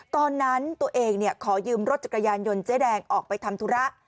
ตอนนั้นตัวเองขอยืมรถจักรยานยนต์เจ๊แดงออกไปทำธุระ